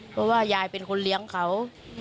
เพราะว่ายายเป็นคนเลี้ยงเขา